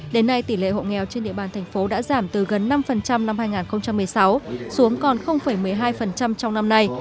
đến nay tỷ lệ hộ nghèo trên địa bàn thành phố đã giảm từ gần năm năm hai nghìn một mươi sáu xuống còn một mươi hai trong năm nay